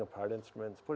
dalam komunikasi dan